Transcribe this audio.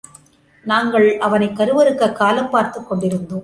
நாங்கள் அவனைக் கருவறுக்கக் காலம் பார்த்துக் கொண்டிருந்தோம்.